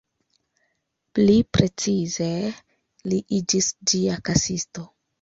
Pli precize, li iĝis ĝia kasisto.